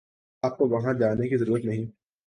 آپ کو وہاں جانے کی ضرورت نہیں